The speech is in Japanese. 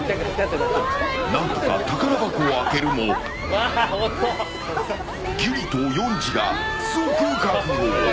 何とか宝箱を開けるもギュリとヨンジが、即確保。